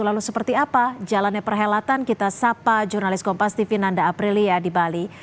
lalu seperti apa jalannya perhelatan kita sapa jurnalis kompas tv nanda aprilia di bali